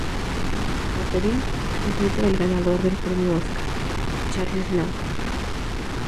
Katherine es nieta del ganador del premio Oscar, Charles Lang.